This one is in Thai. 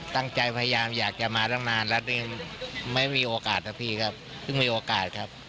ตั้งใจพยายามอยากจะมาตั้งนานแล้วไม่มีโอกาสนะพี่ครับเพิ่งมีโอกาสครับ